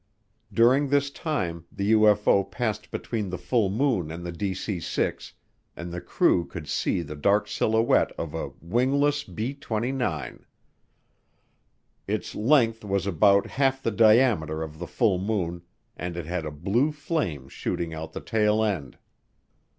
During this time the UFO passed between the full moon and DC 6 and the crew could see the dark silhouette of a "wingless B 29." Its length was about half the diameter of the full moon, and it had a blue flame shooting out the tail end.